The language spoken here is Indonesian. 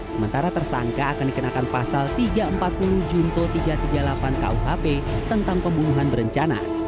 sementara tersangka akan dikenakan pasal tiga ratus empat puluh junto tiga ratus tiga puluh delapan kuhp tentang pembunuhan berencana